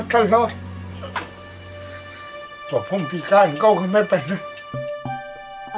แต่ผมพิการก็ไม่ไปนะ